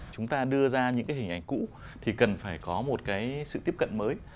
chúng ta đưa ra những cái hình ảnh cũ thì cần phải có một cái sự tiếp cận mới